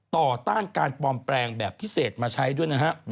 ต้านการปลอมแปลงแบบพิเศษมาใช้ด้วยนะฮะ